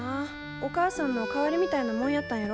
お母さんの代わりみたいなもんやったんやろ。